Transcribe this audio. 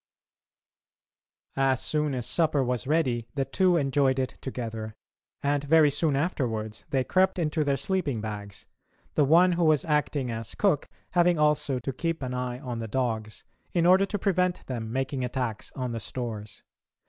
As soon as supper was ready the two enjoyed it together, and very soon afterwards they crept into their sleeping bags, the one who was acting as cook having also to keep an eye on the dogs, in order to prevent them making attacks on the stores.